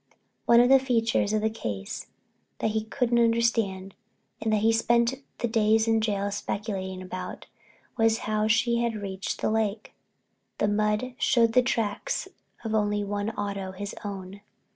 One of the features of the case that he couldn't understand and that he spent the days in jail speculating about, was how she had reached the lake. The mud showed the tracks of only one auto, his own.